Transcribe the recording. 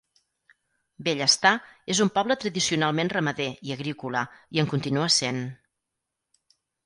Bellestar és un poble tradicionalment ramader i agrícola, i en continua sent.